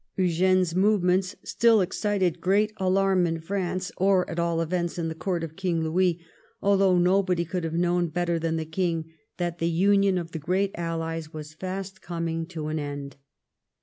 Eugene's movements still excited great alarm in France, or at all events in the Court of King Louis, although nobody could have known better than the King that the union of the great Allies was fast coming to an end.